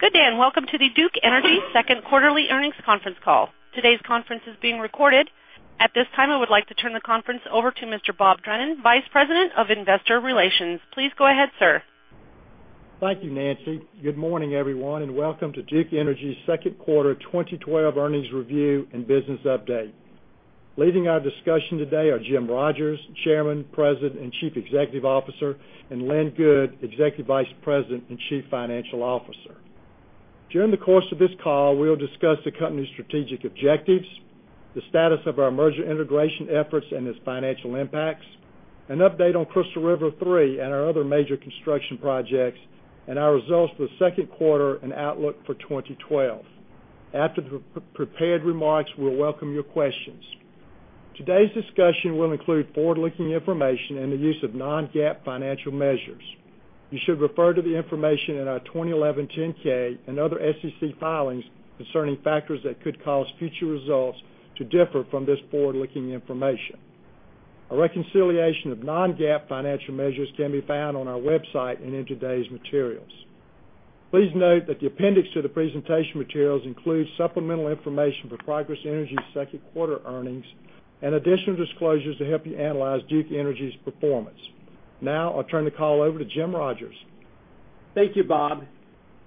Good day, welcome to the Duke Energy second quarterly earnings conference call. Today's conference is being recorded. At this time, I would like to turn the conference over to Mr. Bob Drennan, Vice President of Investor Relations. Please go ahead, sir. Thank you, Nancy. Good morning, everyone, welcome to Duke Energy's second quarter 2012 earnings review and business update. Leading our discussion today are Jim Rogers, Chairman, President, and Chief Executive Officer, and Lynn Good, Executive Vice President and Chief Financial Officer. During the course of this call, we'll discuss the company's strategic objectives, the status of our merger integration efforts and its financial impacts, an update on Crystal River 3 and our other major construction projects, and our results for the second quarter and outlook for 2012. After the prepared remarks, we'll welcome your questions. Today's discussion will include forward-looking information and the use of non-GAAP financial measures. You should refer to the information in our 2011 10-K and other SEC filings concerning factors that could cause future results to differ from this forward-looking information. A reconciliation of non-GAAP financial measures can be found on our website and in today's materials. Please note that the appendix to the presentation materials includes supplemental information for Progress Energy second-quarter earnings and additional disclosures to help you analyze Duke Energy's performance. Now, I'll turn the call over to Jim Rogers. Thank you, Bob.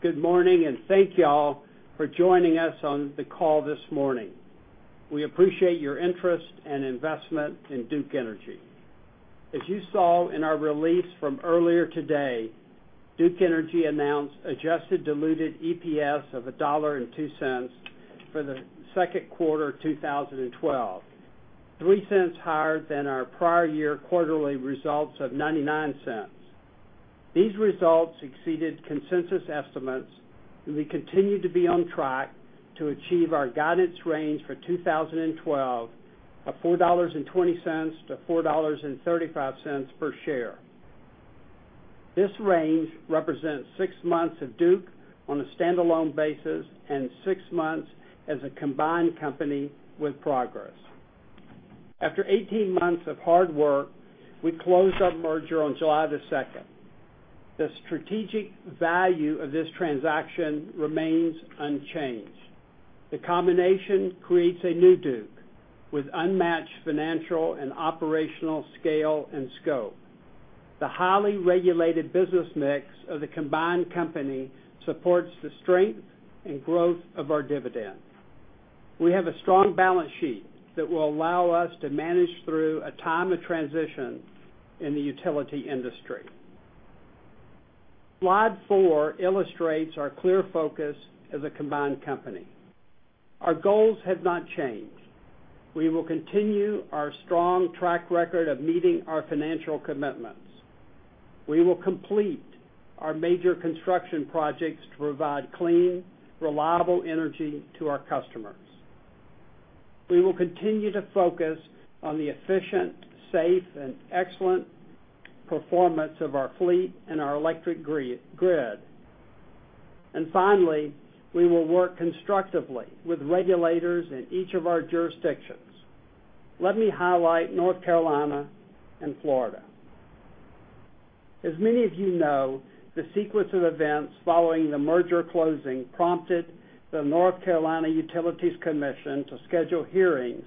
Good morning, thank you all for joining us on the call this morning. We appreciate your interest and investment in Duke Energy. As you saw in our release from earlier today, Duke Energy announced adjusted diluted EPS of $1.02 for the second quarter 2012, $0.03 higher than our prior year quarterly results of $0.99. These results exceeded consensus estimates, and we continue to be on track to achieve our guidance range for 2012 of $4.20-$4.35 per share. This range represents six months of Duke on a standalone basis and six months as a combined company with Progress. After 18 months of hard work, we closed our merger on July 2nd. The strategic value of this transaction remains unchanged. The combination creates a new Duke with unmatched financial and operational scale and scope. The highly regulated business mix of the combined company supports the strength and growth of our dividend. We have a strong balance sheet that will allow us to manage through a time of transition in the utility industry. Slide four illustrates our clear focus as a combined company. Our goals have not changed. We will continue our strong track record of meeting our financial commitments. We will complete our major construction projects to provide clean, reliable energy to our customers. We will continue to focus on the efficient, safe, and excellent performance of our fleet and our electric grid. Finally, we will work constructively with regulators in each of our jurisdictions. Let me highlight North Carolina and Florida. As many of you know, the sequence of events following the merger closing prompted the North Carolina Utilities Commission to schedule hearings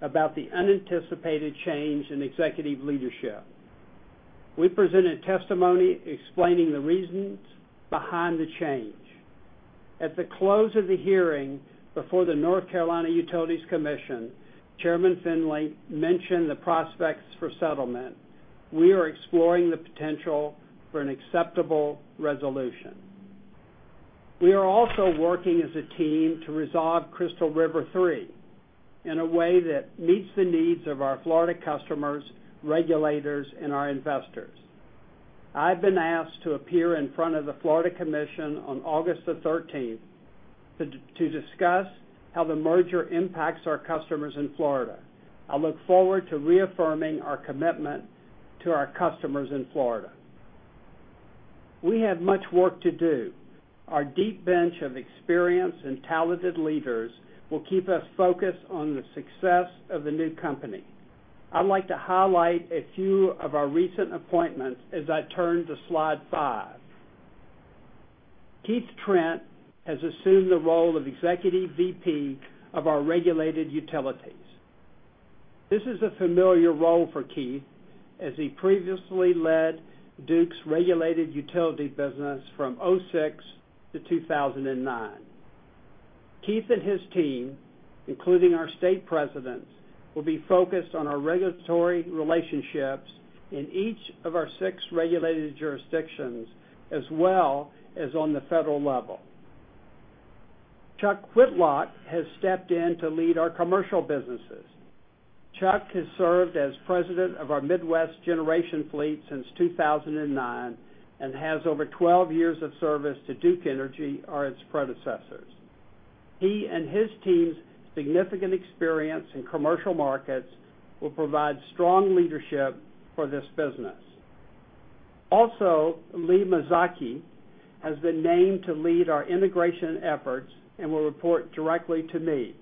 about the unanticipated change in executive leadership. We presented testimony explaining the reasons behind the change. At the close of the hearing before the North Carolina Utilities Commission, Chairman Finley mentioned the prospects for settlement. We are exploring the potential for an acceptable resolution. We are also working as a team to resolve Crystal River 3 in a way that meets the needs of our Florida customers, regulators, and our investors. I've been asked to appear in front of the Florida Commission on August the 13th to discuss how the merger impacts our customers in Florida. I look forward to reaffirming our commitment to our customers in Florida. We have much work to do. Our deep bench of experienced and talented leaders will keep us focused on the success of the new company. I'd like to highlight a few of our recent appointments as I turn to slide five. Keith Trent has assumed the role of Executive VP of our regulated utilities. This is a familiar role for Keith, as he previously led Duke's regulated utility business from 2006 to 2009. Keith and his team, including our state presidents, will be focused on our regulatory relationships in each of our six regulated jurisdictions, as well as on the federal level. Chuck Whitlock has stepped in to lead our commercial businesses. Chuck has served as president of our Midwest generation fleet since 2009 and has over 12 years of service to Duke Energy or its predecessors. He and his team's significant experience in commercial markets will provide strong leadership for this business. Lee Mazzocchi has been named to lead our integration efforts and will report directly to me.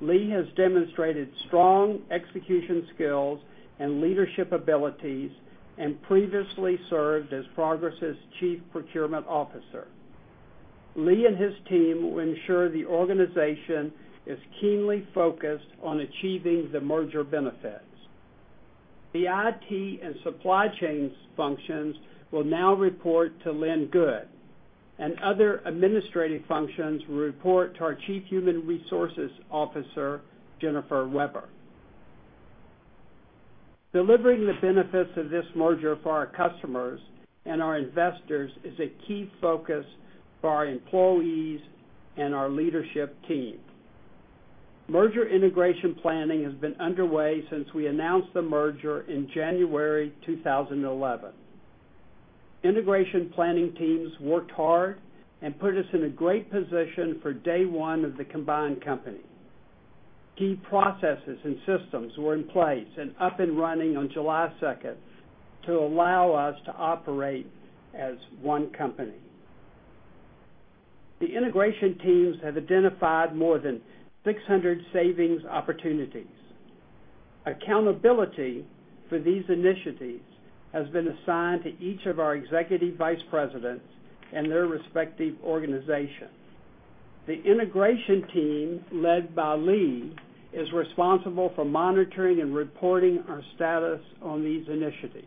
Lee has demonstrated strong execution skills and leadership abilities and previously served as Progress's Chief Procurement Officer. Lee and his team will ensure the organization is keenly focused on achieving the merger benefits. The IT and supply chains functions will now report to Lynn Good, and other administrative functions will report to our Chief Human Resources Officer, Jennifer Weber. Delivering the benefits of this merger for our customers and our investors is a key focus for our employees and our leadership team. Merger integration planning has been underway since we announced the merger in January 2011. Integration planning teams worked hard and put us in a great position for day one of the combined company. Key processes and systems were in place and up and running on July 2nd to allow us to operate as one company. The integration teams have identified more than 600 savings opportunities. Accountability for these initiatives has been assigned to each of our executive vice presidents and their respective organizations. The integration team, led by Lee, is responsible for monitoring and reporting our status on these initiatives.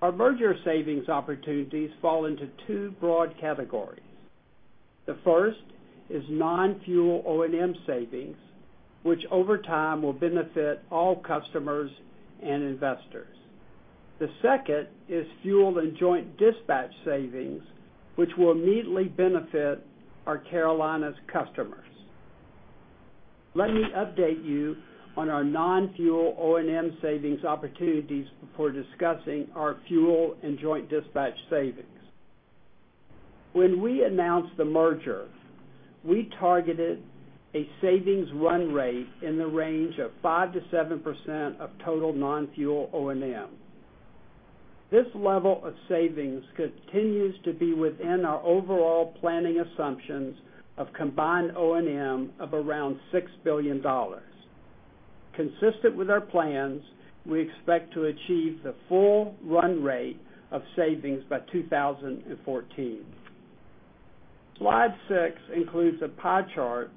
Our merger savings opportunities fall into two broad categories. The first is non-fuel O&M savings, which over time will benefit all customers and investors. The second is fuel and joint dispatch savings, which will immediately benefit our Carolinas customers. Let me update you on our non-fuel O&M savings opportunities before discussing our fuel and joint dispatch savings. When we announced the merger, we targeted a savings run rate in the range of 5%-7% of total non-fuel O&M. This level of savings continues to be within our overall planning assumptions of combined O&M of around $6 billion. Consistent with our plans, we expect to achieve the full run rate of savings by 2014. Slide six includes a pie chart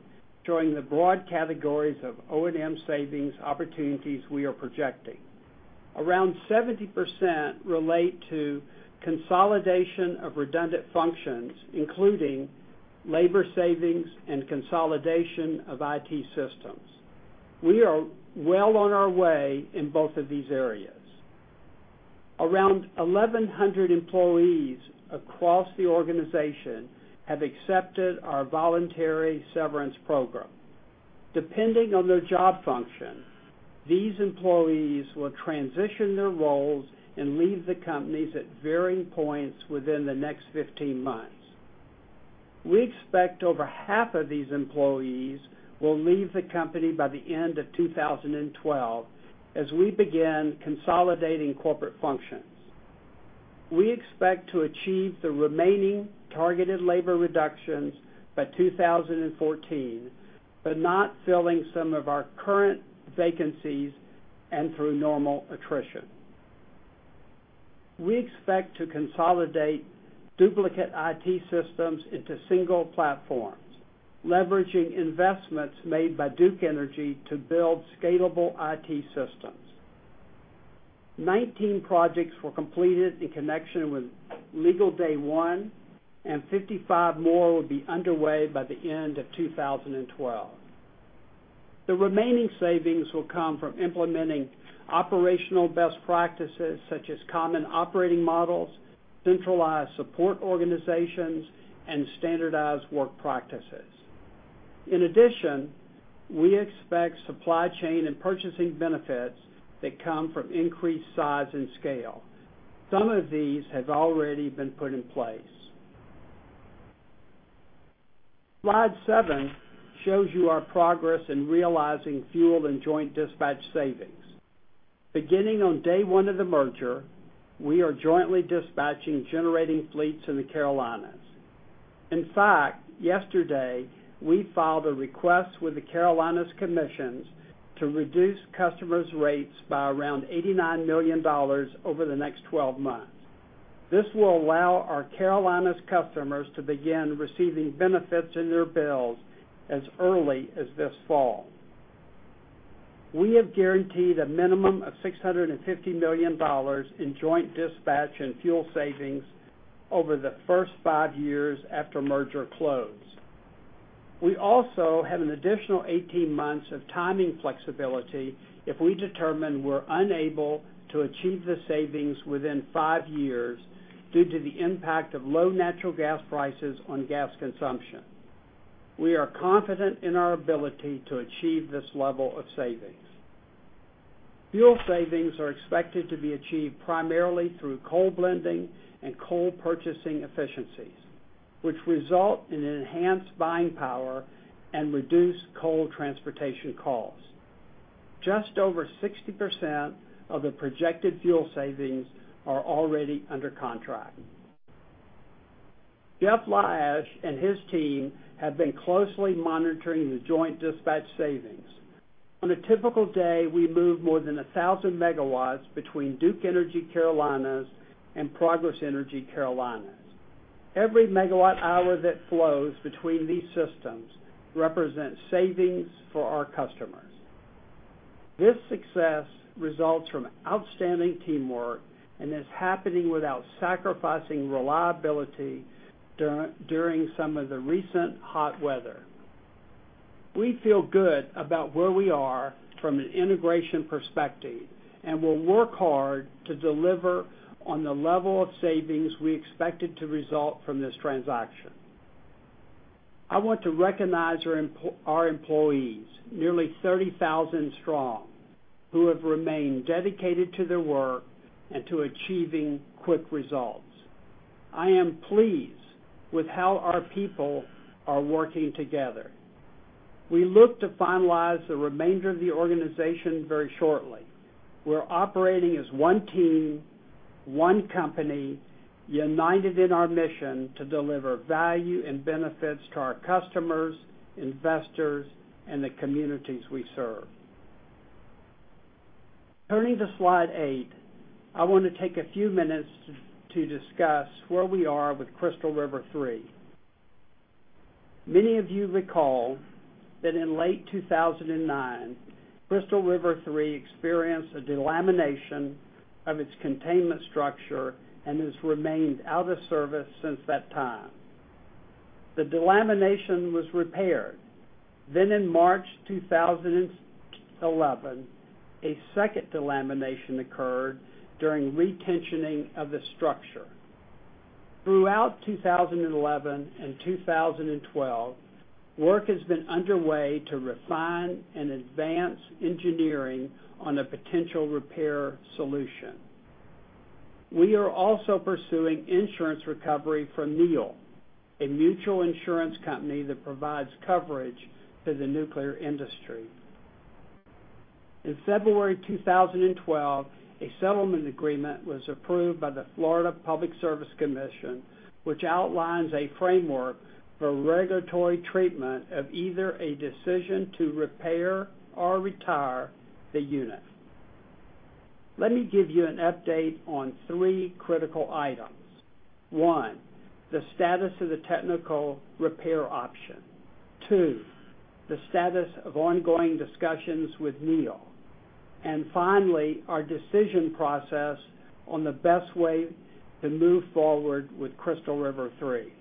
showing the broad categories of O&M savings opportunities we are projecting. Around 70% relate to consolidation of redundant functions, including labor savings and consolidation of IT systems. We are well on our way in both of these areas. Around 1,100 employees across the organization have accepted our voluntary severance program. Depending on their job function, these employees will transition their roles and leave the companies at varying points within the next 15 months. We expect over half of these employees will leave the company by the end of 2012 as we begin consolidating corporate functions. We expect to achieve the remaining targeted labor reductions by 2014 by not filling some of our current vacancies and through normal attrition. We expect to consolidate duplicate IT systems into single platforms, leveraging investments made by Duke Energy to build scalable IT systems. 19 projects were completed in connection with legal day one, and 55 more will be underway by the end of 2012. The remaining savings will come from implementing operational best practices such as common operating models, centralized support organizations, and standardized work practices. In addition, we expect supply chain and purchasing benefits that come from increased size and scale. Some of these have already been put in place. Slide seven shows you our progress in realizing fuel and joint dispatch savings. Beginning on day one of the merger, we are jointly dispatching generating fleets in the Carolinas. In fact, yesterday, we filed a request with the Carolina Commissions to reduce customers' rates by around $89 million over the next 12 months. This will allow our Carolinas customers to begin receiving benefits in their bills as early as this fall. We have guaranteed a minimum of $650 million in joint dispatch and fuel savings over the first five years after merger close. We also have an additional 18 months of timing flexibility if we determine we're unable to achieve the savings within five years due to the impact of low natural gas prices on gas consumption. We are confident in our ability to achieve this level of savings. Fuel savings are expected to be achieved primarily through coal blending and coal purchasing efficiencies, which result in enhanced buying power and reduced coal transportation costs. Just over 60% of the projected fuel savings are already under contract. Jeff Lyash and his team have been closely monitoring the joint dispatch savings. On a typical day, we move more than 1,000 megawatts between Duke Energy Carolinas and Progress Energy Carolinas. Every megawatt hour that flows between these systems represents savings for our customers. This success results from outstanding teamwork and is happening without sacrificing reliability during some of the recent hot weather. We feel good about where we are from an integration perspective and will work hard to deliver on the level of savings we expected to result from this transaction. I want to recognize our employees, nearly 30,000 strong, who have remained dedicated to their work and to achieving quick results. I am pleased with how our people are working together. We look to finalize the remainder of the organization very shortly. We're operating as one team, one company, united in our mission to deliver value and benefits to our customers, investors, and the communities we serve. Turning to slide eight, I want to take a few minutes to discuss where we are with Crystal River 3. Many of you recall that in late 2009, Crystal River 3 experienced a delamination of its containment structure and has remained out of service since that time. The delamination was repaired. In March 2011, a second delamination occurred during re-tensioning of the structure. Throughout 2011 and 2012, work has been underway to refine and advance engineering on a potential repair solution. We are also pursuing insurance recovery from NEIL, a mutual insurance company that provides coverage to the nuclear industry. In February 2012, a settlement agreement was approved by the Florida Public Service Commission, which outlines a framework for regulatory treatment of either a decision to repair or retire the unit. Let me give you an update on three critical items. One, the status of the technical repair option. Two, the status of ongoing discussions with NEIL. Finally, our decision process on the best way to move forward with Crystal River 3.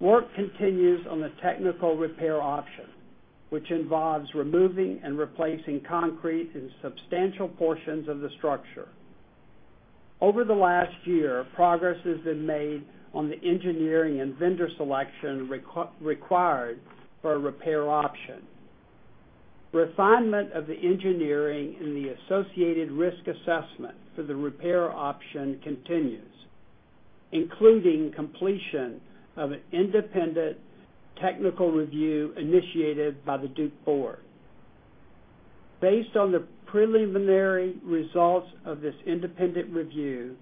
Work continues on the technical repair option, which involves removing and replacing concrete in substantial portions of the structure. Over the last year, progress has been made on the engineering and vendor selection required for a repair option. Refinement of the engineering and the associated risk assessment for the repair option continues, including completion of an independent technical review initiated by the Duke board. Based on the preliminary results of this independent review,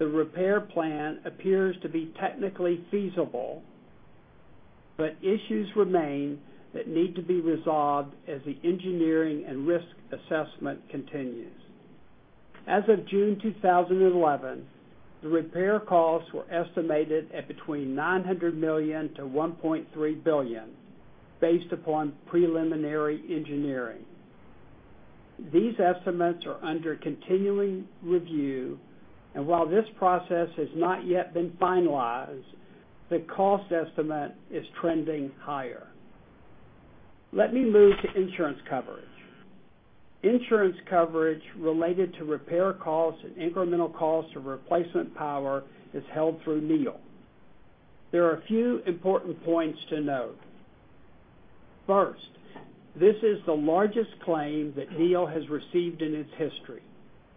the repair plan appears to be technically feasible, but issues remain that need to be resolved as the engineering and risk assessment continues. As of June 2011, the repair costs were estimated at between $900 million-$1.3 billion based upon preliminary engineering. These estimates are under continuing review, and while this process has not yet been finalized, the cost estimate is trending higher. Let me move to insurance coverage. Insurance coverage related to repair costs and incremental costs of replacement power is held through NEIL. There are a few important points to note. First, this is the largest claim that NEIL has received in its history.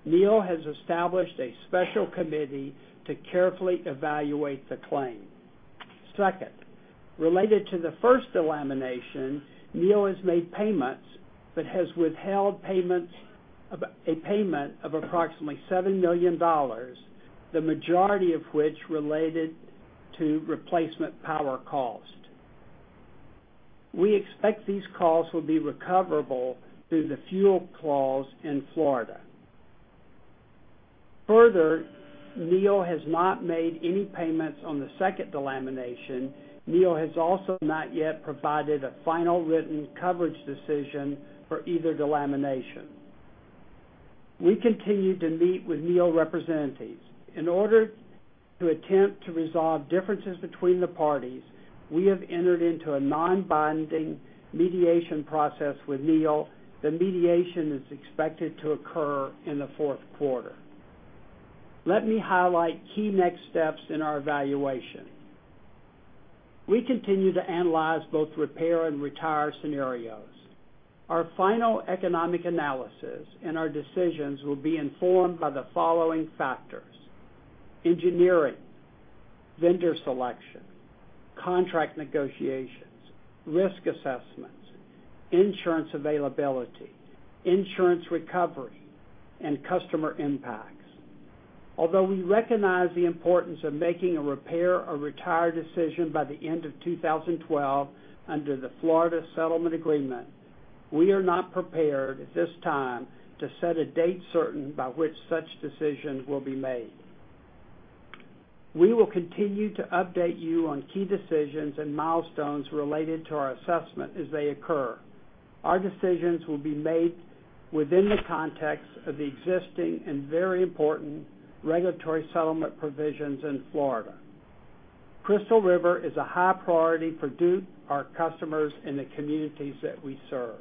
NEIL has established a special committee to carefully evaluate the claim. Second, related to the first delamination, NEIL has made payments but has withheld a payment of approximately $7 million, the majority of which related to replacement power cost. We expect these costs will be recoverable through the fuel clause in Florida. Further, NEIL has not made any payments on the second delamination. NEIL has also not yet provided a final written coverage decision for either delamination. We continue to meet with NEIL representatives. In order to attempt to resolve differences between the parties, we have entered into a non-binding mediation process with NEIL. The mediation is expected to occur in the fourth quarter. Let me highlight key next steps in our evaluation. We continue to analyze both repair and retire scenarios. Our final economic analysis and our decisions will be informed by the following factors: engineering, vendor selection, contract negotiations, risk assessments, insurance availability, insurance recovery, and customer impacts. Although we recognize the importance of making a repair or retire decision by the end of 2012 under the Florida settlement agreement, we are not prepared at this time to set a date certain by which such decisions will be made. We will continue to update you on key decisions and milestones related to our assessment as they occur. Our decisions will be made within the context of the existing and very important regulatory settlement provisions in Florida. Crystal River is a high priority for Duke, our customers, and the communities that we serve.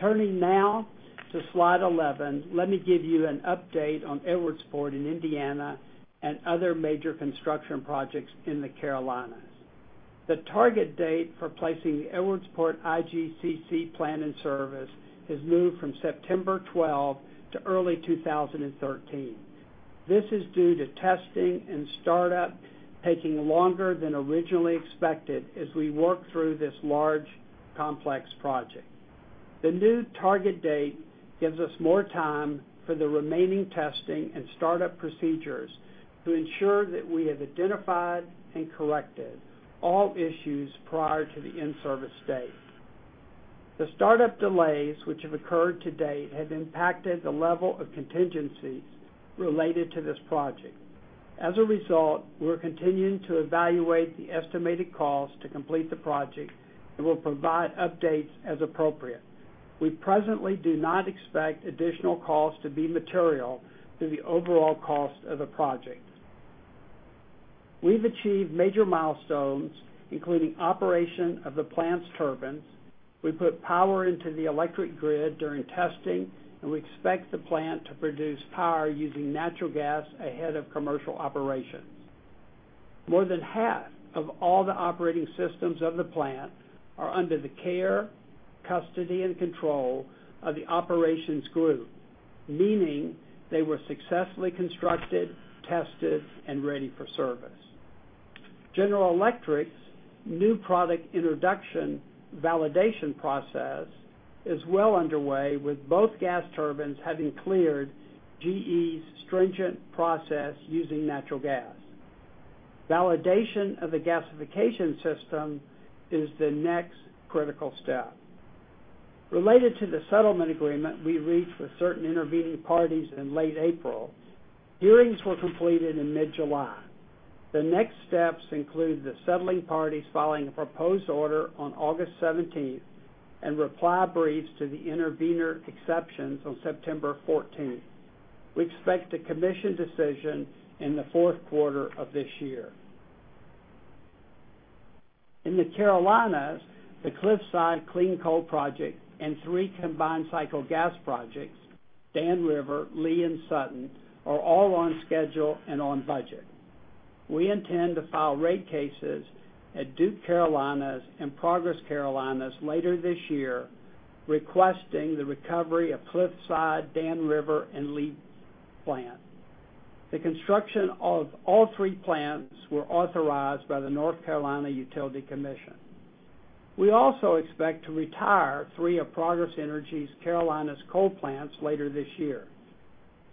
Turning now to slide 11, let me give you an update on Edwardsport in Indiana and other major construction projects in the Carolinas. The target date for placing the Edwardsport IGCC plant in service has moved from September 12 to early 2013. This is due to testing and startup taking longer than originally expected as we work through this large, complex project. The new target date gives us more time for the remaining testing and startup procedures to ensure that we have identified and corrected all issues prior to the in-service date. The startup delays, which have occurred to date, have impacted the level of contingencies related to this project. As a result, we're continuing to evaluate the estimated cost to complete the project and will provide updates as appropriate. We presently do not expect additional costs to be material to the overall cost of the project. We've achieved major milestones, including operation of the plant's turbines. We put power into the electric grid during testing. We expect the plant to produce power using natural gas ahead of commercial operations. More than half of all the operating systems of the plant are under the care, custody, and control of the operations group. Meaning, they were successfully constructed, tested, and ready for service. General Electric's new product introduction validation process is well underway, with both gas turbines having cleared GE's stringent process using natural gas. Validation of the gasification system is the next critical step. Related to the settlement agreement we reached with certain intervening parties in late April, hearings were completed in mid-July. The next steps include the settling parties filing a proposed order on August 17 and reply briefs to the intervener exceptions on September 14. We expect a commission decision in the fourth quarter of this year. In the Carolinas, the Cliffside clean coal project and three combined cycle gas projects, Dan River, Lee, and Sutton, are all on schedule and on budget. We intend to file rate cases at Duke Carolinas and Progress Carolinas later this year, requesting the recovery of Cliffside, Dan River, and Lee plant. The construction of all three plants were authorized by the North Carolina Utilities Commission. We also expect to retire three of Progress Energy's Carolinas coal plants later this year.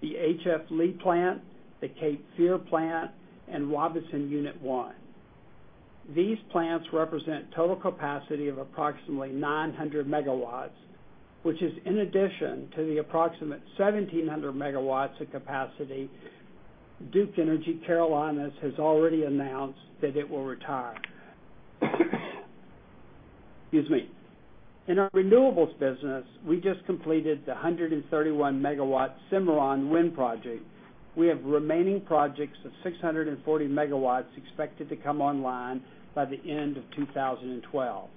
The HF Lee plant, the Cape Fear plant, and Robinson Unit 1. These plants represent total capacity of approximately 900 megawatts, which is in addition to the approximate 1,700 megawatts of capacity Duke Energy Carolinas has already announced that it will retire. Excuse me. In our renewables business, we just completed the 131 megawatt Cimarron wind project. We have remaining projects of 640 megawatts expected to come online by the end of 2012.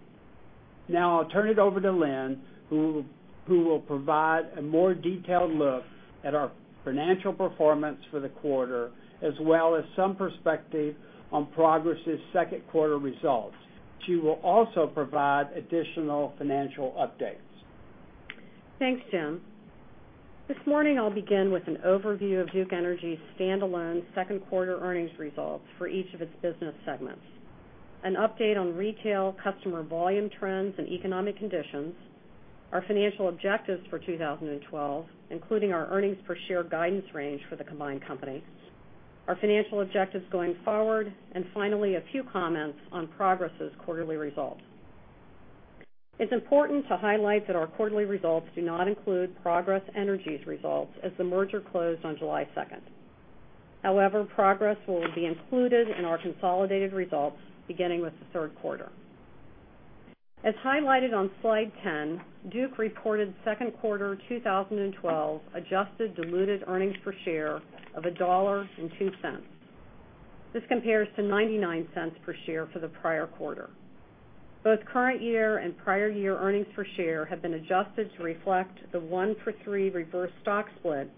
I'll turn it over to Lynn, who will provide a more detailed look at our financial performance for the quarter, as well as some perspective on Progress' second quarter results. She will also provide additional financial updates. Thanks, Jim. This morning I'll begin with an overview of Duke Energy's standalone second quarter earnings results for each of its business segments, an update on retail customer volume trends and economic conditions, our financial objectives for 2012, including our earnings per share guidance range for the combined company, our financial objectives going forward, and finally, a few comments on Progress' quarterly results. It's important to highlight that our quarterly results do not include Progress Energy's results, as the merger closed on July 2nd. Progress will be included in our consolidated results beginning with the third quarter. As highlighted on slide 10, Duke reported second quarter 2012 adjusted diluted earnings per share of $1.02. This compares to $0.99 per share for the prior quarter. Both current year and prior year earnings per share have been adjusted to reflect the one for three reverse stock split,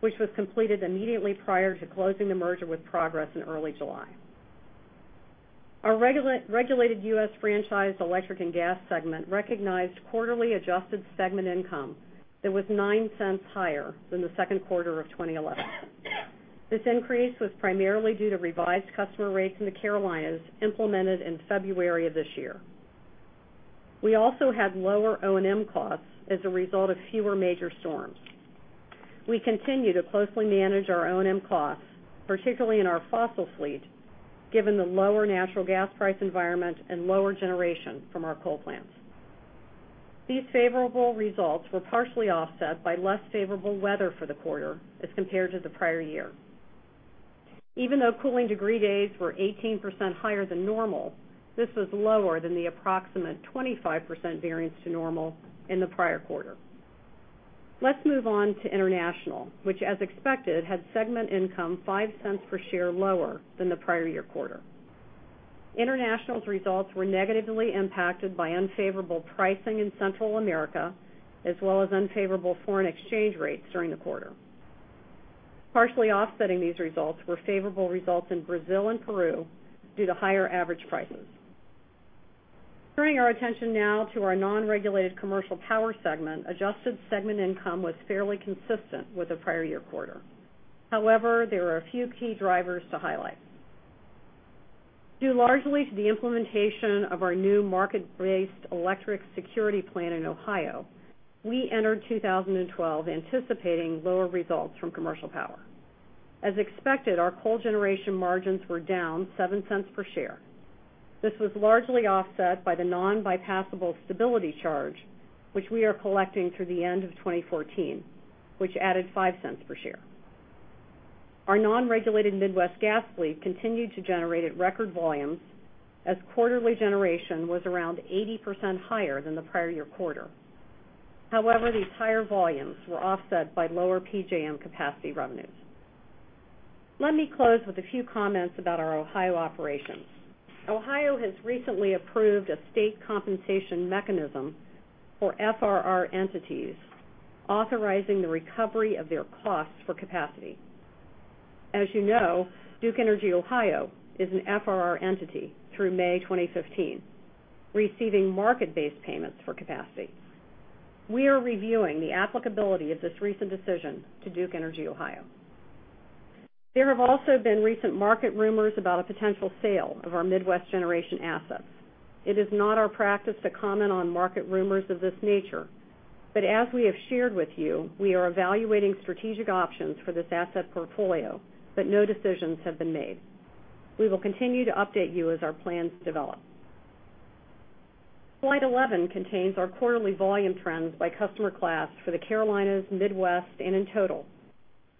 which was completed immediately prior to closing the merger with Progress in early July. Our regulated U.S. franchise electric and gas segment recognized quarterly adjusted segment income that was $0.09 higher than the second quarter of 2011. This increase was primarily due to revised customer rates in the Carolinas implemented in February of this year. We also had lower O&M costs as a result of fewer major storms. We continue to closely manage our O&M costs, particularly in our fossil fleet, given the lower natural gas price environment and lower generation from our coal plants. These favorable results were partially offset by less favorable weather for the quarter as compared to the prior year. Even though cooling degree days were 18% higher than normal, this was lower than the approximate 25% variance to normal in the prior quarter. Let's move on to international, which as expected, had segment income $0.05 per share lower than the prior year quarter. International's results were negatively impacted by unfavorable pricing in Central America, as well as unfavorable foreign exchange rates during the quarter. Partially offsetting these results were favorable results in Brazil and Peru due to higher average prices. Turning our attention now to our non-regulated commercial power segment, adjusted segment income was fairly consistent with the prior year quarter. There are a few key drivers to highlight. Due largely to the implementation of our new market-based Electric Security Plan in Ohio, we entered 2012 anticipating lower results from commercial power. As expected, our coal generation margins were down $0.07 per share. This was largely offset by the non-bypassable stabilization charge, which we are collecting through the end of 2014, which added $0.05 per share. Our non-regulated Midwest gas fleet continued to generate at record volumes as quarterly generation was around 80% higher than the prior year quarter. These higher volumes were offset by lower PJM capacity revenues. Let me close with a few comments about our Ohio operations. Ohio has recently approved a state compensation mechanism for FRR entities, authorizing the recovery of their costs for capacity. As you know, Duke Energy Ohio is an FRR entity through May 2015, receiving market-based payments for capacity. We are reviewing the applicability of this recent decision to Duke Energy Ohio. There have also been recent market rumors about a potential sale of our Midwest generation assets. It is not our practice to comment on market rumors of this nature, as we have shared with you, we are evaluating strategic options for this asset portfolio, no decisions have been made. We will continue to update you as our plans develop. Slide 11 contains our quarterly volume trends by customer class for the Carolinas, Midwest, and in total,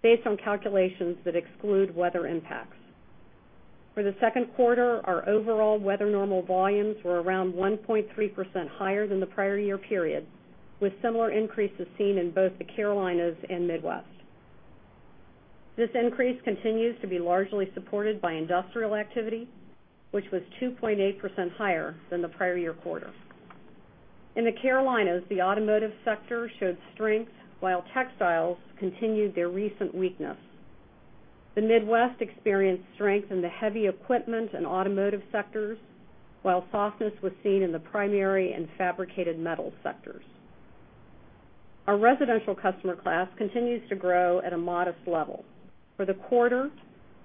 based on calculations that exclude weather impacts. For the second quarter, our overall weather normal volumes were around 1.3% higher than the prior year period, with similar increases seen in both the Carolinas and Midwest. This increase continues to be largely supported by industrial activity, which was 2.8% higher than the prior year quarter. In the Carolinas, the automotive sector showed strength, while textiles continued their recent weakness. The Midwest experienced strength in the heavy equipment and automotive sectors, while softness was seen in the primary and fabricated metal sectors. Our residential customer class continues to grow at a modest level. For the quarter,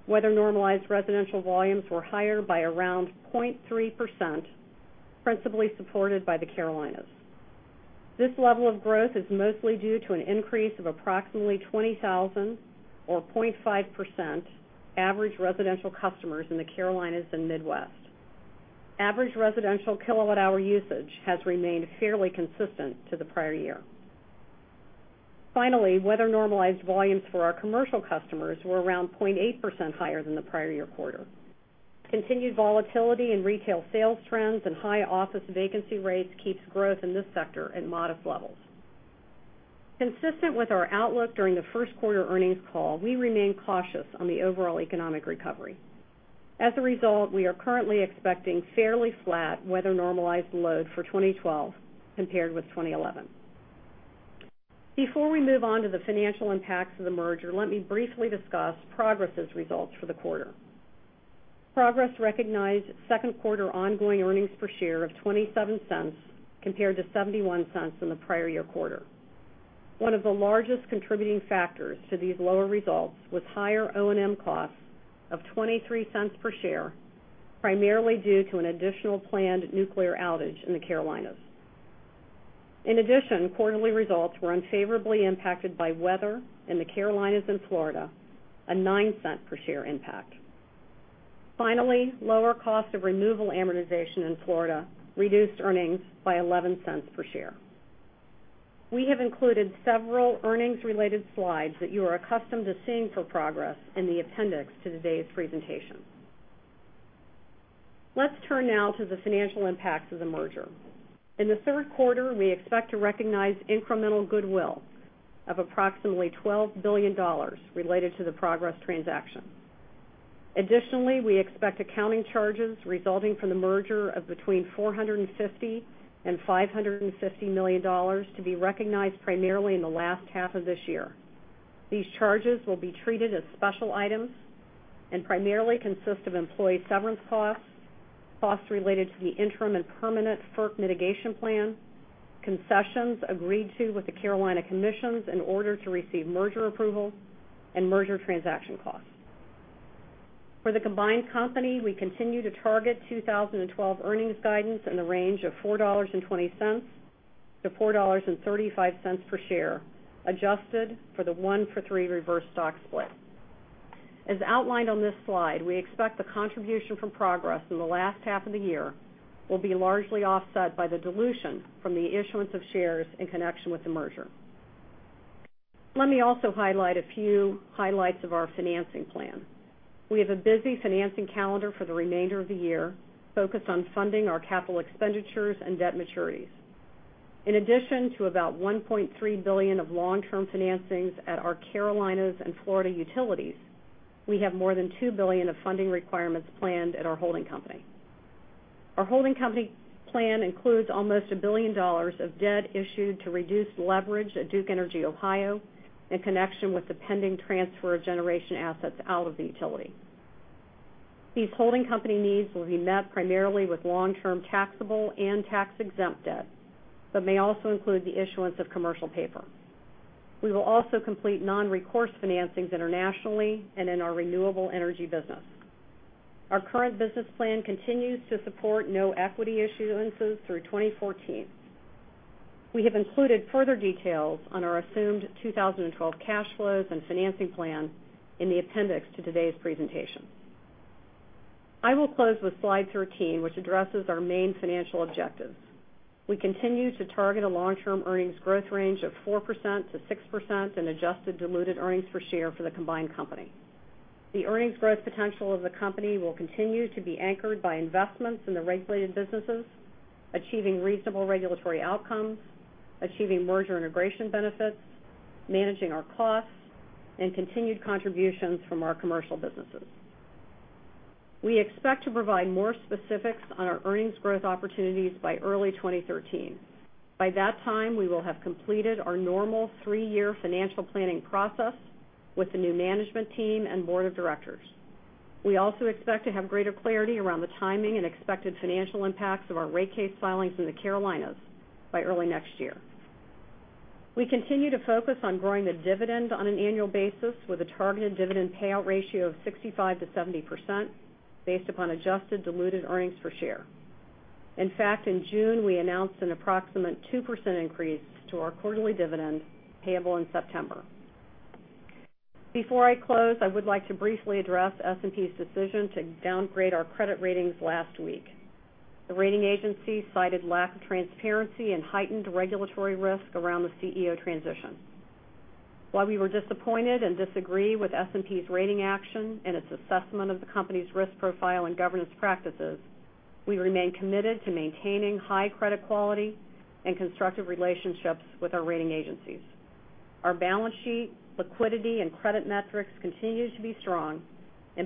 weather normalized residential volumes were higher by around 0.3%, principally supported by the Carolinas. This level of growth is mostly due to an increase of approximately 20,000 or 0.5% average residential customers in the Carolinas and Midwest. Average residential kilowatt-hour usage has remained fairly consistent to the prior year. Finally, weather normalized volumes for our commercial customers were around 0.8% higher than the prior year quarter. Continued volatility in retail sales trends and high office vacancy rates keeps growth in this sector at modest levels. Consistent with our outlook during the first quarter earnings call, we remain cautious on the overall economic recovery. As a result, we are currently expecting fairly flat weather normalized load for 2012 compared with 2011. Before we move on to the financial impacts of the merger, let me briefly discuss Progress' results for the quarter. Progress recognized second quarter ongoing earnings per share of $0.27 compared to $0.71 in the prior year quarter. One of the largest contributing factors to these lower results was higher O&M costs of $0.23 per share, primarily due to an additional planned nuclear outage in the Carolinas. In addition, quarterly results were unfavorably impacted by weather in the Carolinas and Florida, a $0.09 per share impact. Finally, lower cost of renewable amortization in Florida reduced earnings by $0.11 per share. We have included several earnings-related slides that you are accustomed to seeing for Progress in the appendix to today's presentation. Let's turn now to the financial impacts of the merger. In the third quarter, we expect to recognize incremental goodwill of approximately $12 billion related to the Progress transaction. Additionally, we expect accounting charges resulting from the merger of between $450 and $550 million to be recognized primarily in the last half of this year. These charges will be treated as special items and primarily consist of employee severance costs related to the interim and permanent FERC mitigation plan, concessions agreed to with the Carolina Commissions in order to receive merger approval, and merger transaction costs. For the combined company, we continue to target 2012 earnings guidance in the range of $4.20 to $4.35 per share, adjusted for the one-for-three reverse stock split. As outlined on this slide, we expect the contribution from Progress in the last half of the year will be largely offset by the dilution from the issuance of shares in connection with the merger. Let me also highlight a few highlights of our financing plan. We have a busy financing calendar for the remainder of the year focused on funding our capital expenditures and debt maturities. In addition to about $1.3 billion of long-term financings at our Carolinas and Florida utilities, we have more than $2 billion of funding requirements planned at our holding company. Our holding company plan includes almost $1 billion of debt issued to reduce leverage at Duke Energy Ohio in connection with the pending transfer of generation assets out of the utility. These holding company needs will be met primarily with long-term taxable and tax-exempt debt but may also include the issuance of commercial paper. We will also complete non-recourse financings internationally and in our renewable energy business. Our current business plan continues to support no equity issuances through 2014. We have included further details on our assumed 2012 cash flows and financing plan in the appendix to today's presentation. I will close with slide 13, which addresses our main financial objectives. We continue to target a long-term earnings growth range of 4% to 6% and adjusted diluted earnings per share for the combined company. The earnings growth potential of the company will continue to be anchored by investments in the regulated businesses, achieving reasonable regulatory outcomes, achieving merger integration benefits, managing our costs, and continued contributions from our commercial businesses. We expect to provide more specifics on our earnings growth opportunities by early 2013. By that time, we will have completed our normal three-year financial planning process with the new management team and board of directors. We also expect to have greater clarity around the timing and expected financial impacts of our rate case filings in the Carolinas by early next year. We continue to focus on growing the dividend on an annual basis with a targeted dividend payout ratio of 65% to 70% based upon adjusted diluted earnings per share. In fact, in June, we announced an approximate 2% increase to our quarterly dividend payable in September. Before I close, I would like to briefly address S&P's decision to downgrade our credit ratings last week. The rating agency cited lack of transparency and heightened regulatory risk around the CEO transition. While we were disappointed and disagree with S&P's rating action and its assessment of the company's risk profile and governance practices, we remain committed to maintaining high credit quality and constructive relationships with our rating agencies. Our balance sheet, liquidity, and credit metrics continue to be strong.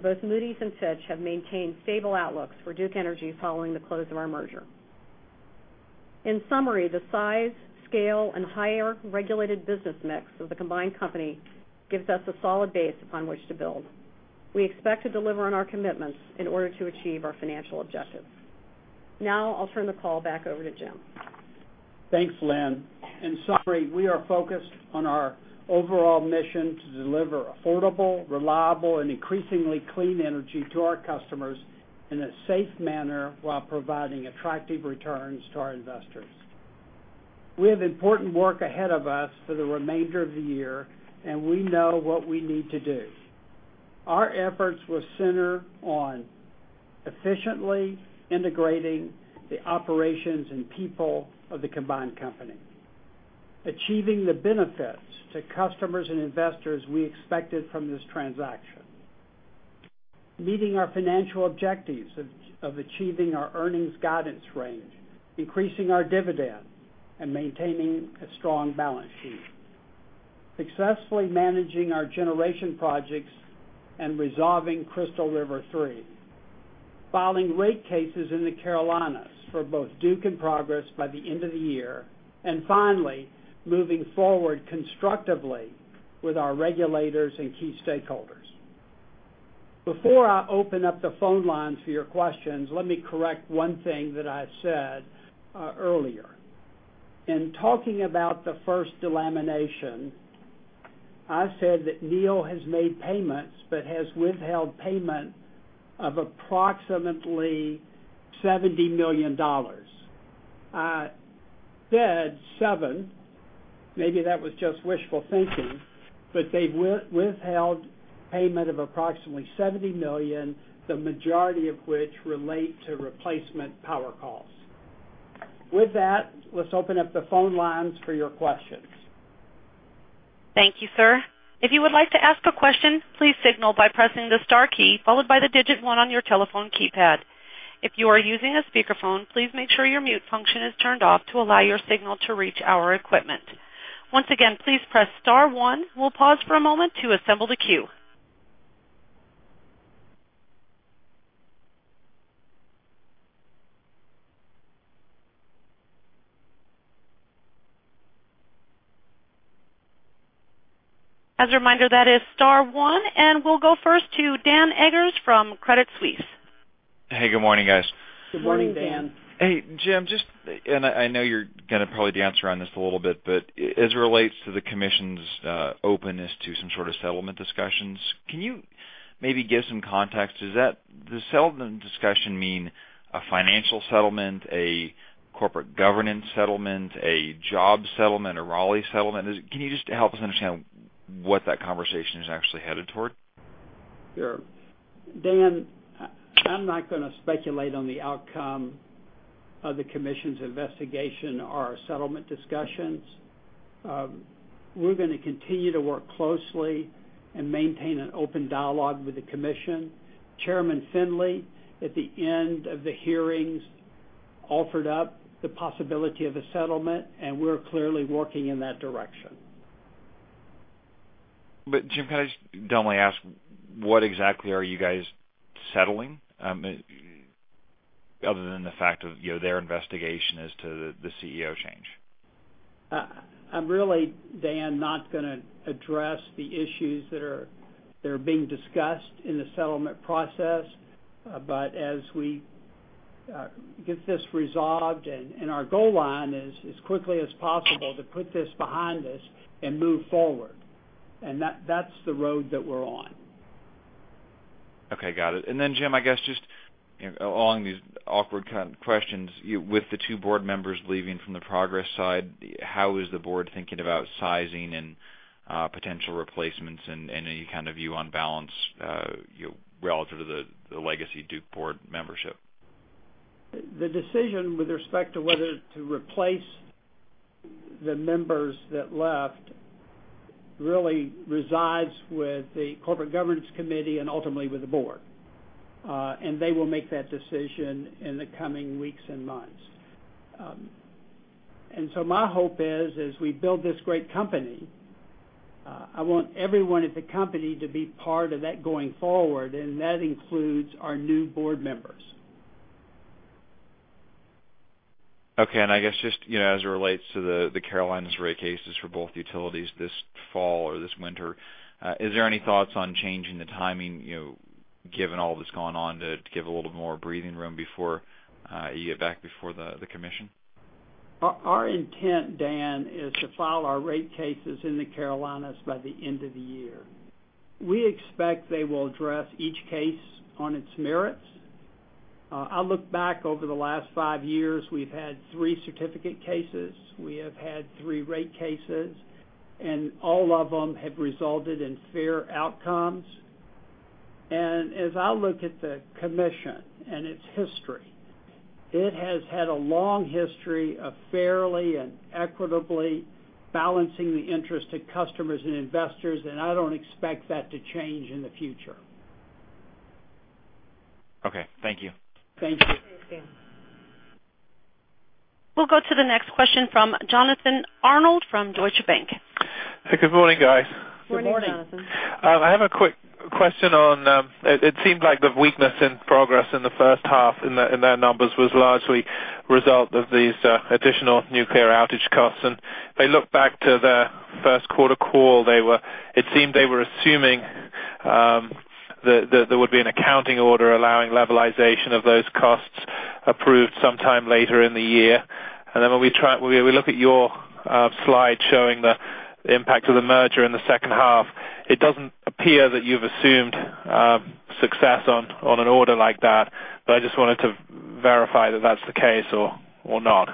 Both Moody's and Fitch have maintained stable outlooks for Duke Energy following the close of our merger. In summary, the size, scale, and higher regulated business mix of the combined company gives us a solid base upon which to build. We expect to deliver on our commitments in order to achieve our financial objectives. Now, I'll turn the call back over to Jim. Thanks, Lynn. In summary, we are focused on our overall mission to deliver affordable, reliable, and increasingly clean energy to our customers in a safe manner while providing attractive returns to our investors. We have important work ahead of us for the remainder of the year. We know what we need to do. Our efforts will center on efficiently integrating the operations and people of the combined company. Achieving the benefits to customers and investors we expected from this transaction. Meeting our financial objectives of achieving our earnings guidance range, increasing our dividend, and maintaining a strong balance sheet. Successfully managing our generation projects and resolving Crystal River 3. Filing rate cases in the Carolinas for both Duke and Progress by the end of the year. Finally, moving forward constructively with our regulators and key stakeholders. Before I open up the phone lines for your questions, let me correct one thing that I said earlier. In talking about the first delamination, I said that NEIL has made payments but has withheld payment of approximately $70 million. I said seven, maybe that was just wishful thinking, but they've withheld payment of approximately $70 million, the majority of which relate to replacement power costs. With that, let's open up the phone lines for your questions. Thank you, sir. If you would like to ask a question, please signal by pressing the star key followed by the digit one on your telephone keypad. If you are using a speakerphone, please make sure your mute function is turned off to allow your signal to reach our equipment. Once again, please press star one. We'll pause for a moment to assemble the queue. As a reminder, that is star one. We'll go first to Dan Eggers from Credit Suisse. Hey, good morning, guys. Good morning, Dan. Hey, Jim, I know you're going to probably dance around this a little bit, as it relates to the Commission's openness to some sort of settlement discussions, can you maybe give some context? Does the settlement discussion mean a financial settlement, a corporate governance settlement, a job settlement, a Raleigh settlement? Can you just help us understand what that conversation is actually headed toward? Sure. Dan, I'm not going to speculate on the outcome of the Commission's investigation or our settlement discussions. We're going to continue to work closely and maintain an open dialogue with the Commission. Chairman Finley, at the end of the hearings, offered up the possibility of a settlement, we're clearly working in that direction. Jim, can I just dumbly ask, what exactly are you guys settling? Other than the fact of their investigation as to the CEO change. I'm really, Dan, not going to address the issues that are being discussed in the settlement process. As we get this resolved, our goal line is as quickly as possible to put this behind us and move forward. That's the road that we're on. Okay, got it. Then Jim, I guess just along these awkward kind of questions, with the two board members leaving from the Progress side, how is the board thinking about sizing and potential replacements and any kind of view on balance relative to the legacy Duke board membership? The decision with respect to whether to replace the members that left really resides with the corporate governance committee and ultimately with the board. They will make that decision in the coming weeks and months. My hope is, as we build this great company, I want everyone at the company to be part of that going forward, and that includes our new board members. Okay. I guess just as it relates to the Carolinas rate cases for both utilities this fall or this winter, is there any thoughts on changing the timing given all that's gone on to give a little more breathing room before a year back before the Commission? Our intent, Dan, is to file our rate cases in the Carolinas by the end of the year. We expect they will address each case on its merits. I look back over the last five years, we've had three certificate cases, we have had three rate cases, all of them have resulted in fair outcomes. As I look at the Commission and its history, it has had a long history of fairly and equitably balancing the interest of customers and investors, I don't expect that to change in the future. Okay. Thank you. Thank you. We'll go to the next question from Jonathan Arnold from Deutsche Bank. Hey, good morning, guys. Good morning. Morning, Jonathan. I have a quick question on, it seemed like the weakness in Progress in the first half in their numbers was largely result of these additional nuclear outage costs. If they look back to their first quarter call, it seemed they were assuming that there would be an accounting order allowing levelization of those costs approved sometime later in the year. When we look at your slide showing the impact of the merger in the second half, it doesn't appear that you've assumed success on an order like that. I just wanted to verify that that's the case or not.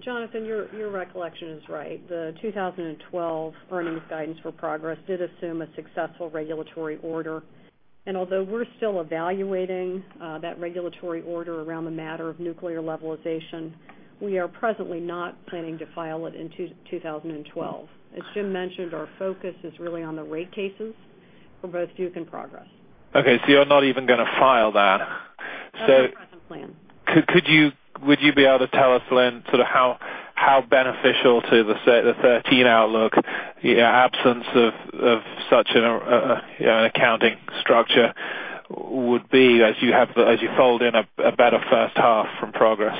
Jonathan, your recollection is right. The 2012 earnings guidance for Progress did assume a successful regulatory order. Although we're still evaluating that regulatory order around the matter of nuclear levelization, we are presently not planning to file it in 2012. As Jim mentioned, our focus is really on the rate cases for both Duke and Progress. Okay, you're not even going to file that. Not our present plan. Would you be able to tell us then sort of how beneficial to the 2013 outlook absence of such an accounting structure would be as you fold in a better first half from Progress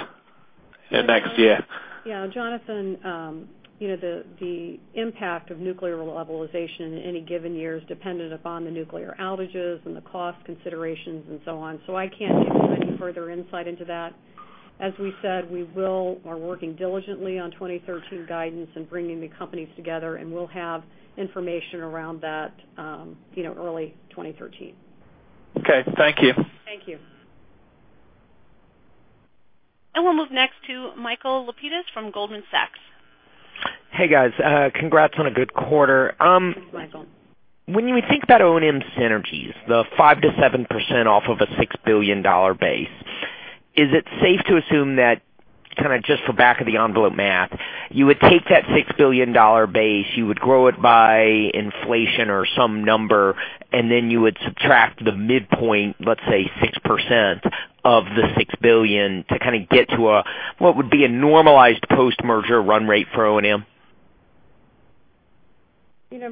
next year? Yeah, Jonathan, the impact of nuclear levelization in any given year is dependent upon the nuclear outages and the cost considerations and so on. I can't give you any further insight into that. As we said, we are working diligently on 2013 guidance and bringing the companies together, We'll have information around that early 2013. Okay, thank you. Thank you. We'll move next to Michael Lapides from Goldman Sachs. Hey, guys. Congrats on a good quarter. Thanks, Michael. When you think about O&M synergies, the 5%-7% off of a $6 billion base, is it safe to assume that, kind of just for back of the envelope math, you would take that $6 billion base, you would grow it by inflation or some number, and then you would subtract the midpoint, let's say 6% of the $6 billion to kind of get to what would be a normalized post-merger run rate for O&M?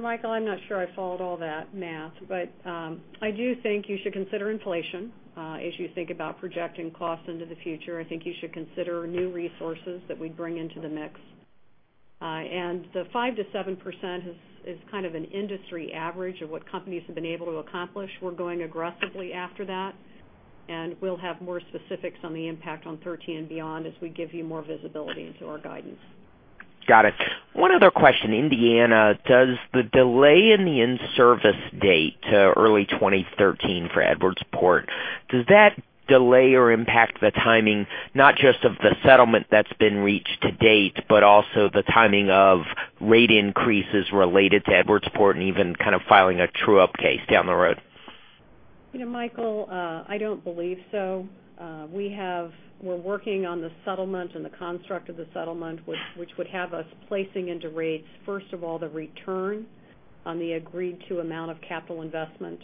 Michael, I'm not sure I followed all that math, but I do think you should consider inflation as you think about projecting costs into the future. I think you should consider new resources that we bring into the mix. The 5%-7% is kind of an industry average of what companies have been able to accomplish. We're going aggressively after that, and we'll have more specifics on the impact on 2013 and beyond as we give you more visibility into our guidance. Got it. One other question. Indiana, does the delay in the in-service date to early 2013 for Edwardsport, does that delay or impact the timing, not just of the settlement that's been reached to date, but also the timing of rate increases related to Edwardsport and even kind of filing a true-up case down the road? Michael, I don't believe so. We're working on the settlement and the construct of the settlement, which would have us placing into rates, first of all, the return on the agreed to amount of capital investment,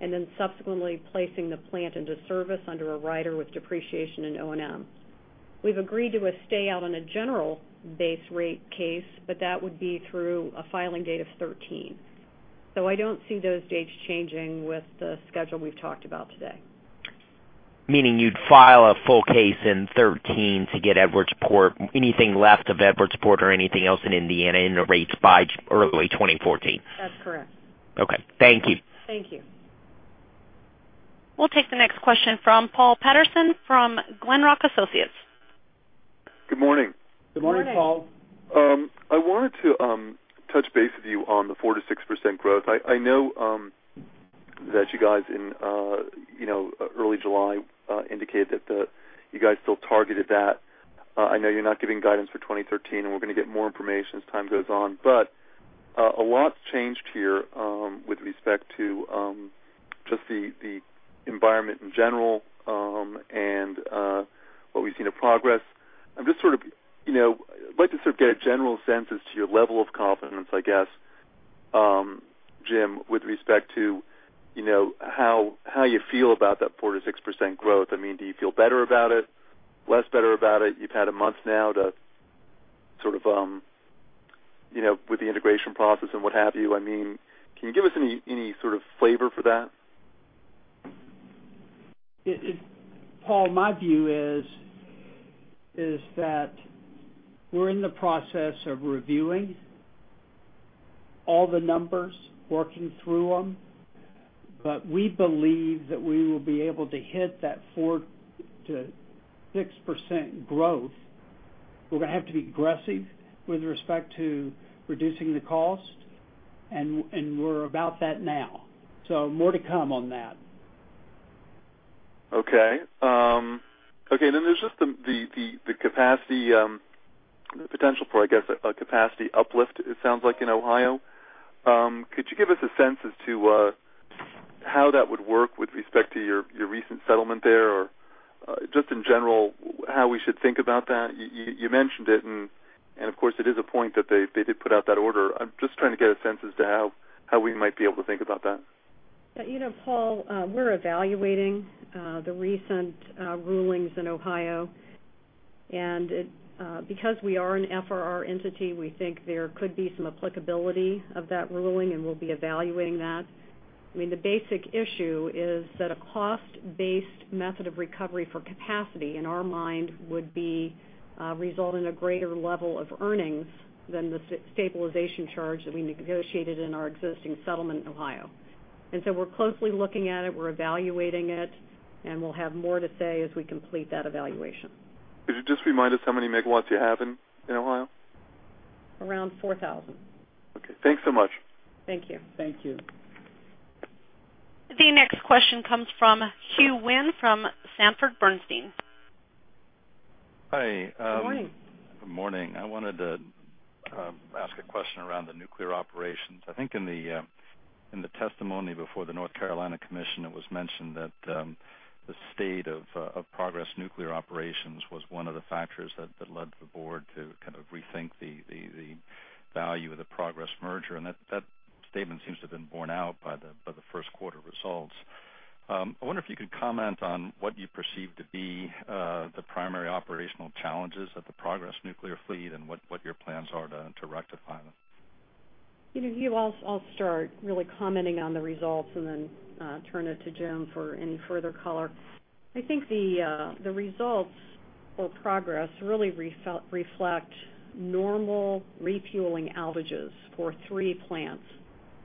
and then subsequently placing the plant into service under a rider with depreciation and O&M. We've agreed to a stay out on a general base rate case, but that would be through a filing date of 2013. I don't see those dates changing with the schedule we've talked about today. Meaning you'd file a full case in 2013 to get anything left of Edwardsport or anything else in Indiana in the rates by early 2014? That's correct. Okay. Thank you. Thank you. We'll take the next question from Paul Patterson from Glenrock Associates. Good morning. Good morning. Good morning, Paul. I wanted to touch base with you on the 4%-6% growth. I know that you guys, in early July, indicated that you guys still targeted that. I know you're not giving guidance for 2013, and we're going to get more information as time goes on. A lot's changed here with respect to just the environment in general and what we've seen at Progress. I'd like to sort of get a general sense as to your level of confidence, I guess, Jim, with respect to how you feel about that 4%-6% growth. Do you feel better about it? Less better about it? You've had a month now with the integration process and what have you. Can you give us any sort of flavor for that? Paul, my view is that we're in the process of reviewing all the numbers, working through them, but we believe that we will be able to hit that 4% to 6% growth. We're going to have to be aggressive with respect to reducing the cost, and we're about that now. More to come on that. Okay. There's just the potential for, I guess, a capacity uplift, it sounds like, in Ohio. Could you give us a sense as to how that would work with respect to your recent settlement there, or just in general, how we should think about that? You mentioned it, and of course, it is a point that they did put out that order. I'm just trying to get a sense as to how we might be able to think about that. Paul, we're evaluating the recent rulings in Ohio. Because we are an FRR entity, we think there could be some applicability of that ruling, and we'll be evaluating that. The basic issue is that a cost-based method of recovery for capacity, in our mind, would result in a greater level of earnings than the stabilization charge that we negotiated in our existing settlement in Ohio. We're closely looking at it, we're evaluating it, and we'll have more to say as we complete that evaluation. Could you just remind us how many megawatts you have in Ohio? Around 4,000. Okay. Thanks so much. Thank you. Thank you. The next question comes from Hugh Wynne from Sanford Bernstein. Hi. Good morning. Good morning. I wanted to ask a question around the nuclear operations. I think in the testimony before the North Carolina Commission, it was mentioned that the state of Progress Nuclear Operations was one of the factors that led the board to rethink the value of the Progress merger, and that statement seems to have been borne out by the first quarter results. I wonder if you could comment on what you perceive to be the primary operational challenges of the Progress nuclear fleet and what your plans are to rectify them. Hugh Wynne, I'll start really commenting on the results and then turn it to Jim for any further color. I think the results for Progress really reflect normal refueling outages for three plants.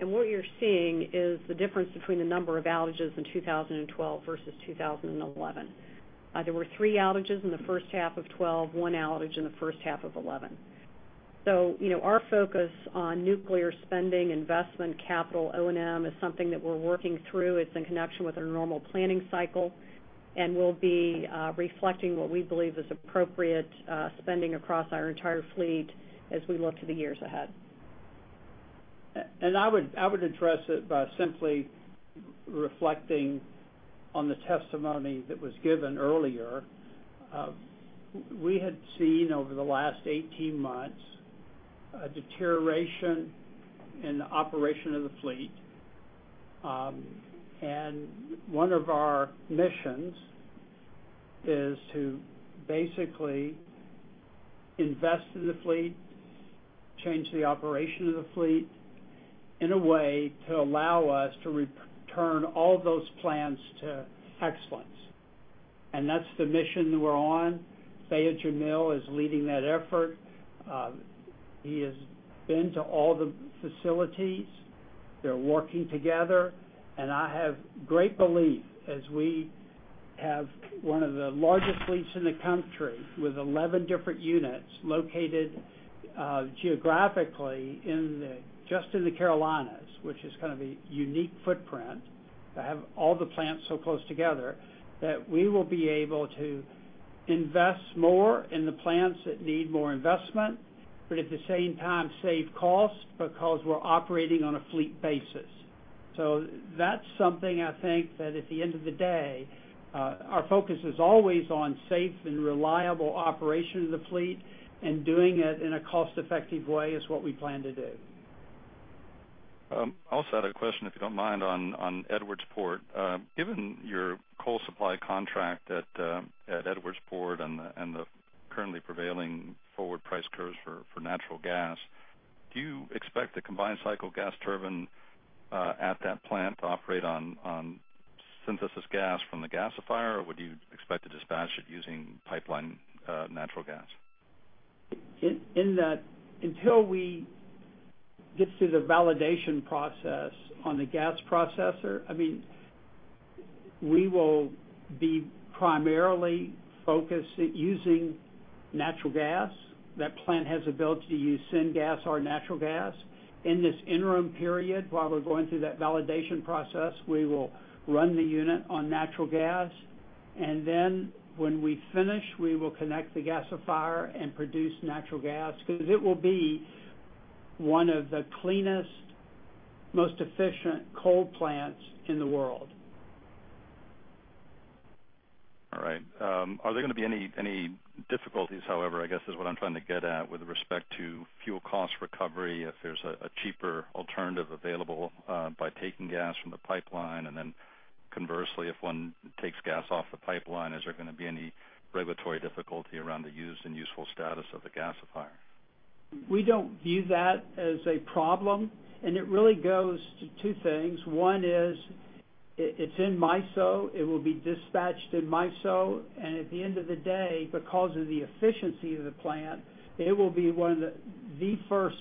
What you're seeing is the difference between the number of outages in 2012 versus 2011. There were three outages in the first half of 2012, one outage in the first half of 2011. Our focus on nuclear spending, investment, capital, O&M is something that we're working through. It's in connection with our normal planning cycle, and we'll be reflecting what we believe is appropriate spending across our entire fleet as we look to the years ahead. I would address it by simply reflecting on the testimony that was given earlier. We had seen over the last 18 months a deterioration in the operation of the fleet. One of our missions Is to basically invest in the fleet, change the operation of the fleet in a way to allow us to return all those plants to excellence. That's the mission that we're on. Fayez Jamil is leading that effort. He has been to all the facilities. They're working together. I have great belief as we have one of the largest fleets in the country with 11 different units located geographically just in the Carolinas, which is kind of a unique footprint to have all the plants so close together, that we will be able to invest more in the plants that need more investment, but at the same time, save costs because we're operating on a fleet basis. That's something I think that at the end of the day, our focus is always on safe and reliable operation of the fleet, and doing it in a cost-effective way is what we plan to do. I also had a question, if you don't mind, on Edwardsport. Given your coal supply contract at Edwardsport and the currently prevailing forward price curves for natural gas, do you expect the combined-cycle gas turbine at that plant to operate on synthesis gas from the gasifier? Would you expect to dispatch it using pipeline natural gas? Until we get through the validation process on the gas processor, we will be primarily focused at using natural gas. That plant has ability to use syngas or natural gas. In this interim period, while we're going through that validation process, we will run the unit on natural gas. Then when we finish, we will connect the gasifier and produce natural gas because it will be one of the cleanest, most efficient coal plants in the world. All right. Are there going to be any difficulties, however, I guess, is what I'm trying to get at with respect to fuel cost recovery if there's a cheaper alternative available by taking gas from the pipeline? Then conversely, if one takes gas off the pipeline, is there going to be any regulatory difficulty around the use and useful status of the gasifier? We don't view that as a problem, and it really goes to two things. One is, it's in MISO, it will be dispatched in MISO. At the end of the day, because of the efficiency of the plant, it will be one of the first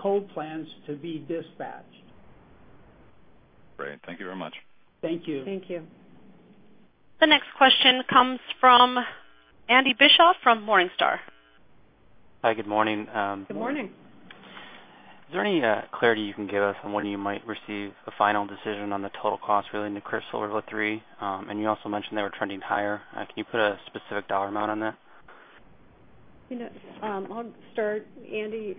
coal plants to be dispatched. Great. Thank you very much. Thank you. Thank you. The next question comes from Andy Bischof from Morningstar. Hi. Good morning. Good morning. Is there any clarity you can give us on when you might receive a final decision on the total cost relating to Crystal River 3? You also mentioned they were trending higher. Can you put a specific dollar amount on that? I'll start, Andy.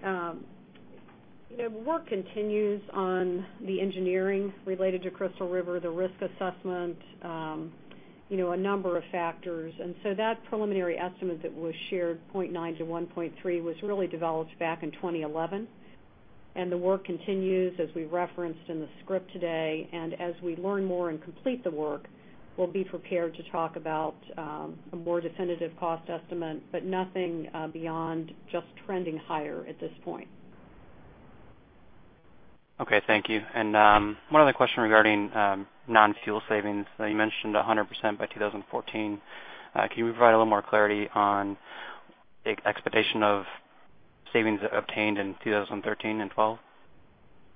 Work continues on the engineering related to Crystal River, the risk assessment, a number of factors. That preliminary estimate that was shared, $0.9-$1.3, was really developed back in 2011. The work continues as we referenced in the script today. As we learn more and complete the work, we'll be prepared to talk about a more definitive cost estimate, but nothing beyond just trending higher at this point. Okay, thank you. One other question regarding non-fuel savings. You mentioned 100% by 2014. Can you provide a little more clarity on the expectation of savings obtained in 2013 and 2012?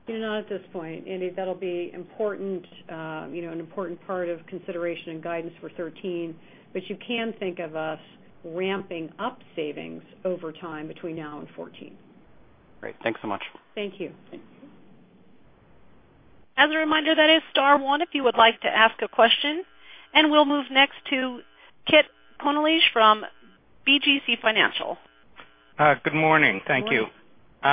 Not at this point, Andy. That'll be an important part of consideration and guidance for 2013. You can think of us ramping up savings over time between now and 2014. Great. Thanks so much. Thank you. Thank you. As a reminder, that is star one if you would like to ask a question. We'll move next to Kit Konolige from BGC Financial. Good morning. Thank you. Good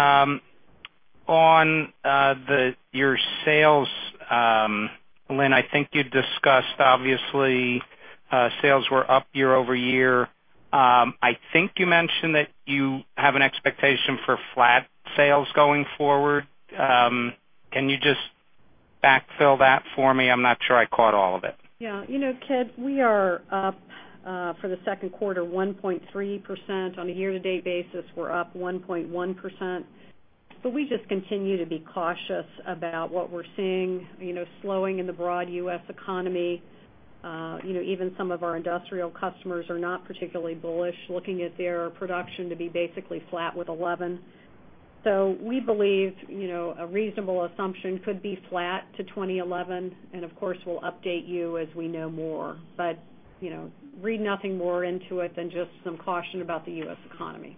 morning. On your sales, Lynn, I think you discussed obviously, sales were up year-over-year. I think you mentioned that you have an expectation for flat sales going forward. Can you just backfill that for me? I'm not sure I caught all of it. Yeah. Kit, we are up for the second quarter, 1.3%. On a year-to-date basis, we're up 1.1%. We just continue to be cautious about what we're seeing, slowing in the broad U.S. economy. Even some of our industrial customers are not particularly bullish, looking at their production to be basically flat with 2011. We believe a reasonable assumption could be flat to 2011, and of course, we'll update you as we know more. Read nothing more into it than just some caution about the U.S. economy.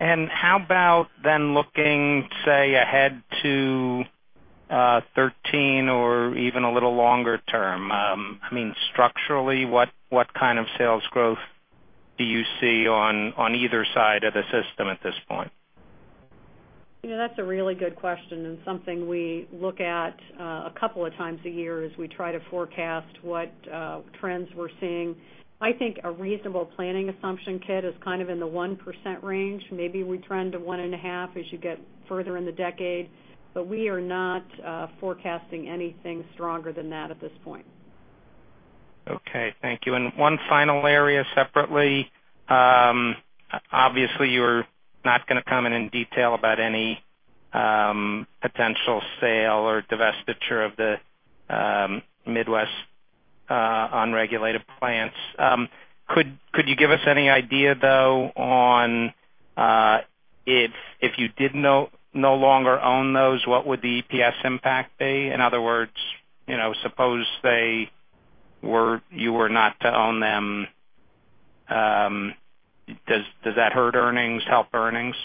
How about then looking, say, ahead to 2013 or even a little longer term? Structurally, what kind of sales growth do you see on either side of the system at this point? That's a really good question and something we look at a couple of times a year as we try to forecast what trends we're seeing. I think a reasonable planning assumption, Kit, is kind of in the 1% range. Maybe we trend to one and a half as you get further in the decade. We are not forecasting anything stronger than that at this point. Okay, thank you. One final area separately. Obviously, you're not going to comment in detail about any potential sale or divestiture of the Midwest unregulated plants. Could you give us any idea, though, on if you did no longer own those, what would the EPS impact be? In other words, suppose you were not to own them, does that hurt earnings, help earnings?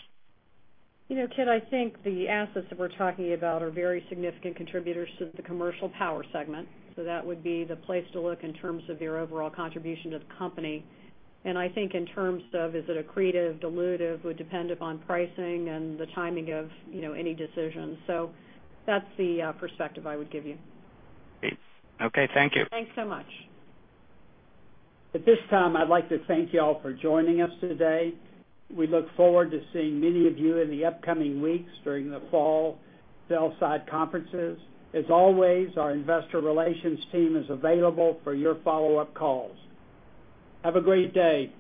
Kit, I think the assets that we're talking about are very significant contributors to the commercial power segment. That would be the place to look in terms of their overall contribution to the company. I think in terms of is it accretive, dilutive, would depend upon pricing and the timing of any decision. That's the perspective I would give you. Great. Okay. Thank you. Thanks so much. At this time, I'd like to thank you all for joining us today. We look forward to seeing many of you in the upcoming weeks during the fall sell-side conferences. As always, our investor relations team is available for your follow-up calls. Have a great day.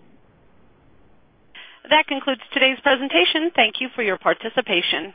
That concludes today's presentation. Thank you for your participation